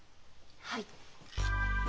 はい。